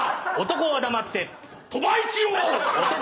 男は黙って。